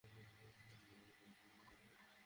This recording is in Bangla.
কী আইডিয়া তোমার গুরু!